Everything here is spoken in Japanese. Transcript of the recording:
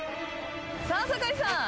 さあ酒井さん。